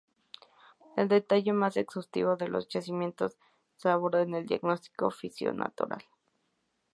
El detalle más exhaustivo de los yacimientos se aborda en el Diagnóstico Físico natural.